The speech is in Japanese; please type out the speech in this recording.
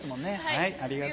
はい。